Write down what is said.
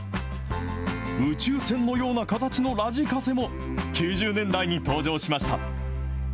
宇宙船のような形のラジカセも、９０年代に登場しました。